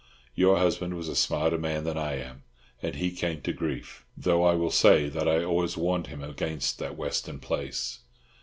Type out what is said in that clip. Your husband was a smarter man than I am, and he came to grief, though I will say that I always warned him against that Western place.